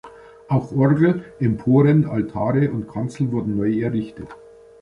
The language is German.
Auch Orgel, Emporen, Altare und Kanzel wurden neu errichtet.